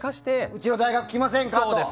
うちの大学きませんかと。